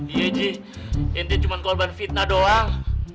iya ji ini cuma kolban fitnah doang